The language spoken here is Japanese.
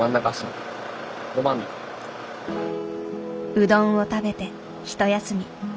うどんを食べてひと休み。